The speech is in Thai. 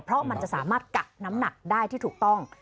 เพราะมันจะสามารถกักน้ำหนักได้ที่ถูกต้อง